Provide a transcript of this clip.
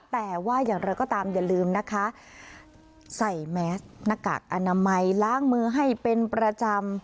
แต่ว่าอย่างไรก็ตามอย่าลืมนะคะใส่แมสหน้ากากอนามัยล้างมือให้เป็นประจำ